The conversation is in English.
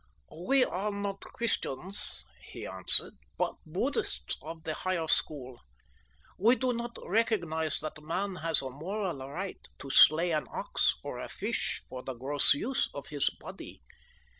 "We are not Christians," he answered, "but Buddhists of the higher school. We do not recognise that man has a moral right to slay an ox or a fish for the gross use of his body.